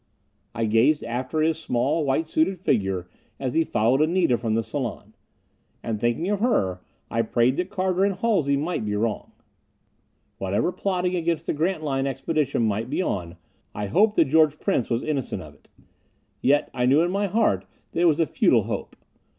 I gazed after his small, white suited figure as he followed Anita from the salon. And thinking of her, I prayed that Carter and Halsey might be wrong. Whatever plotting against the Grantline Expedition might be going on, I hoped that George Prince was innocent of it. Yet I knew in my heart it was a futile hope.